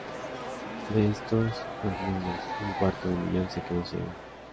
De estos los niños, un cuarto de millón se quedó ciego.